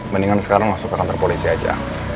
mendingan sekarang masuk ke kantor polisi aja